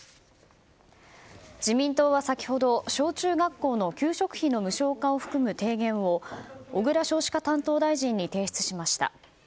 自民党は先ほど小中学校の給食費の無償化を含む提言を、小倉少子化担当大臣に提出しました。